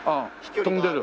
飛んでる？